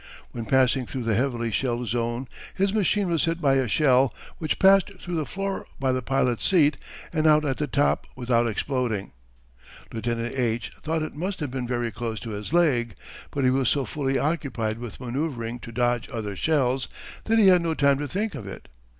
When passing through the heavily shelled zone his machine was hit by a shell, which passed through the floor by the pilot's seat and out at the top without exploding. Lieutenant H. thought it must have been very close to his leg, but he was so fully occupied with manoeuvring to dodge other shells that he had no time to think of it.